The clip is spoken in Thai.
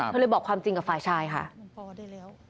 เธอเลยบอกความจริงกับฝ่ายชายค่ะ